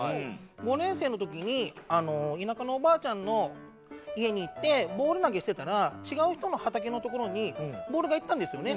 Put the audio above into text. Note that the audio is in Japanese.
５年生の時に田舎のおばあちゃんの家に行ってボール投げしてたら違う人の畑の所にボールが行ったんですよね。